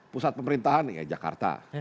pusat pemerintahan ya jakarta